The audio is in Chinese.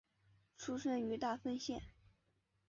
出身于大分县。